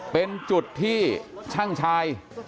เป็นจุดที่ช่างชาย